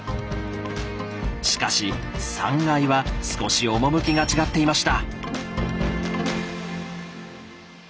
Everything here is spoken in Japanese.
しかし３階は少し趣が違っていました。